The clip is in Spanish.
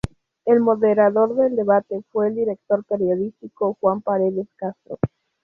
El moderador del debate fue el director periodístico Juan Paredes Castro.